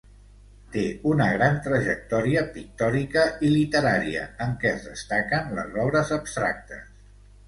Té una gran trajectòria pictòrica i literària en què es destaquen les obres abstractes.